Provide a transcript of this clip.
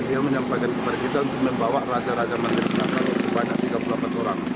dia menyampaikan kepada kita untuk membawa raja raja mandat sebanyak tiga puluh delapan orang